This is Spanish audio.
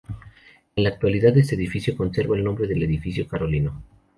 En la actualidad este edificio conserva el nombre de edificio Carolino.